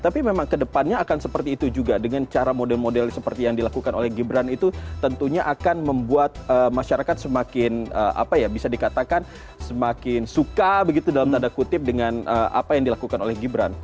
tapi memang kedepannya akan seperti itu juga dengan cara model model seperti yang dilakukan oleh gibran itu tentunya akan membuat masyarakat semakin apa ya bisa dikatakan semakin suka begitu dalam tanda kutip dengan apa yang dilakukan oleh gibran